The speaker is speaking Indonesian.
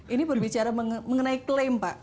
ini berbicara mengenai klaim pak